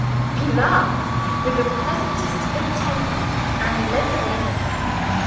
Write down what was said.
He laughed with the pleasantest good temper, and led the way in.